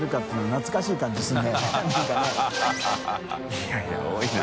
いやいや多いな。